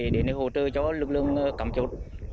để hỗ trợ cho lực lượng cắm chốt